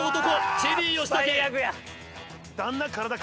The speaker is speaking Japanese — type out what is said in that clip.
チェリー吉武